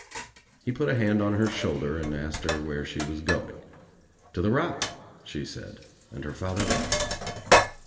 He put a hand on her shoulder and asked her where she was going. "To the rock," she "said and her father laughed.